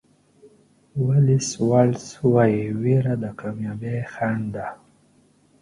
ولېس واټلز وایي وېره د کامیابۍ خنډ ده.